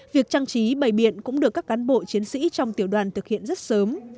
việc trang trí bày biện cũng được các cán bộ chiến sĩ trong tiểu đoàn thực hiện rất sớm